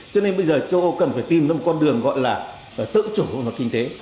cho nên bây giờ châu âu cần phải tìm ra một con đường gọi là tự chủ hội nhập kinh tế